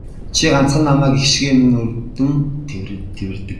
Чи ганцхан намайг эх шиг минь өрөвдөн тэвэрдэг.